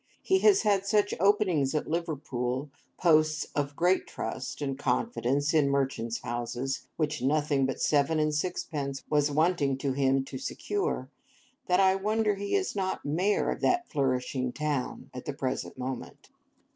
He has had such openings at Liverpool—posts of great trust and confidence in merchants' houses, which nothing but seven and sixpence was wanting to him to secure—that I wonder he is not Mayor of that flourishing town at the present moment.